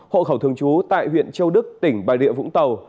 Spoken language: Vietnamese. hộ khẩu thường trú tại huyện châu đức tỉnh và địa vũng tàu